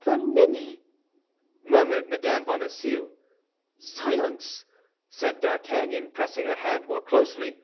"The ninny!" murmured Mme. Bonacieux. "Silence!" said D'Artagnan, pressing her hand more closely.